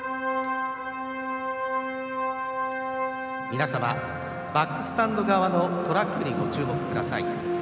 皆様、バックスタンド側のトラックにご注目ください。